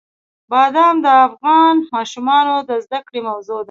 بادام د افغان ماشومانو د زده کړې موضوع ده.